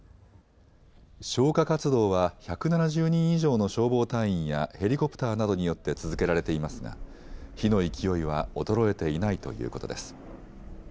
消火活動は１７０人以上の消防隊員やヘリコプターなどによって続けられていますが火の勢いは衰えていないということです。